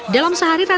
dalam sehari rata rata